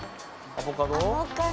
「アボカド！」